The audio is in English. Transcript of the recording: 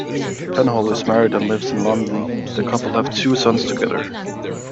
Penhall is married and lives in London; the couple have two sons together.